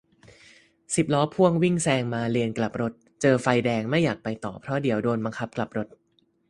สิบล้อพ่วงวิ่งแซงมาเลนกลับรถ เจอไฟแดง ไม่อยากไปต่อ เพราะเดี๋ยวโดนบังคับกลับรถ